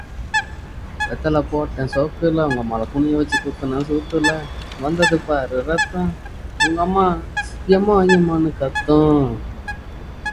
Microsoft stated that it worked with Qualcomm to optimize the device for multitasking.